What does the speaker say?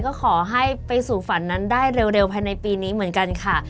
ก็ขอให้ไปสู่ฝันนั้นได้เร็วภายในปีนี้เหมือนกันค่ะ